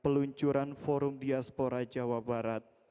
peluncuran forum diaspora jawa barat